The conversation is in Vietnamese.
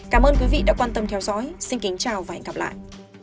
cảm ơn quý vị đã quan tâm theo dõi xin kính chào và hẹn gặp lại